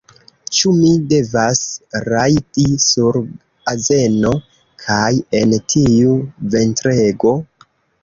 Ĉu mi devas rajdi sur azeno? kaj en tiu ventrego?